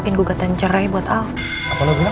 tenang dulu ya tenang dulu